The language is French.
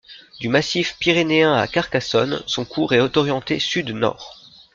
Du massif pyrénéen à Carcassonne, son cours est orienté sud-nord.